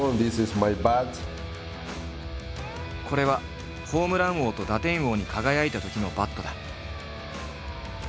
これはホームラン王と打点王に輝いたときのバットだ。